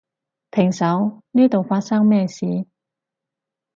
停手，呢度發生咩事？